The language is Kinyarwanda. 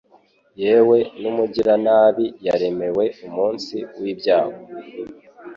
yewe n’umugiranabi yaremewe umunsi w’ibyago